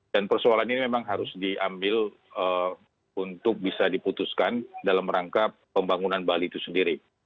dan persoalan ini memang harus diambil untuk bisa diputuskan dalam rangka pembangunan bali itu sendiri